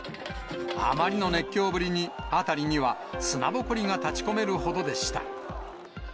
あまりの熱狂ぶりに、辺りには砂ぼこりが立ちこめるほどでした。